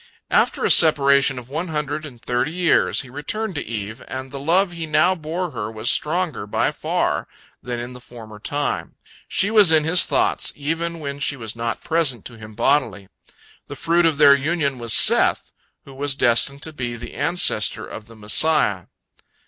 After a separation of one hundred and thirty years, he returned to Eve, and the love he now bore her was stronger by far than in the former time. She was in his thoughts even when she was not present to him bodily. The fruit of their reunion was Seth, who was destined to be the ancestor of the Messiah.